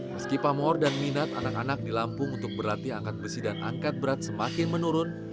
meski pamor dan minat anak anak di lampung untuk berlatih angkat besi dan angkat berat semakin menurun